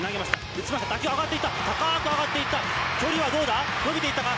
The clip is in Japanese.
打ちました打球上がっていった高ーく上がっていった距離はどうだ伸びていったか？